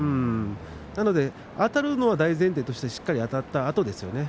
なので、あたるのは大前提としてしっかりあたったあとですね。